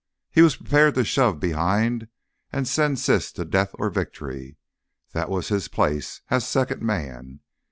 He was prepared to shove behind and send Siss to death or victory. That was his place as second man.